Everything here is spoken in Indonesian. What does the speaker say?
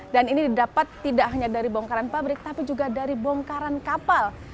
dan ini didapat tidak hanya dari bongkaran pabrik tapi juga dari bongkaran kapal